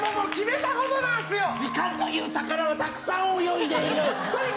時間という魚はたくさん泳いでいる。